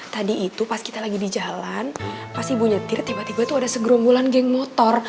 tadi itu pas kita lagi di jalan pasti ibu nyetir tiba tiba tuh ada segrombolan geng motor